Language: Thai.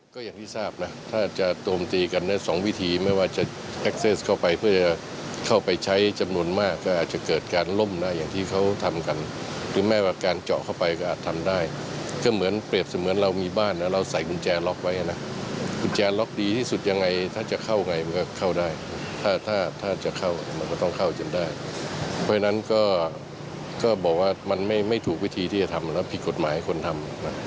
ก็บอกว่ามันไม่ถูกวิธีที่จะทำแล้วผิดกฎหมายให้คนทำ